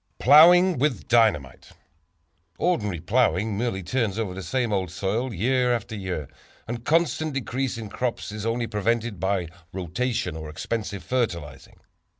Plowing With Dynamite. Ordinarily plowing merely turns over the same old soil year after year, and constant decrease in crops is only prevented by rotation or expensive fertilizing.